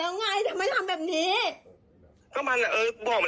แล้วแม่เอาไว้ว่าโต๊ะมาแล้วตรงนี้ก็คิดว่าเป็นไง